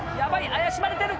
怪しまれてる！